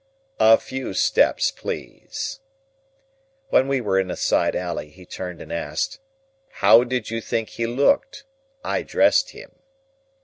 "A few steps, please." When we were in a side alley, he turned and asked, "How did you think he looked?—I dressed him."